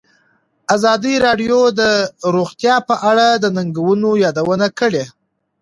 ازادي راډیو د روغتیا په اړه د ننګونو یادونه کړې.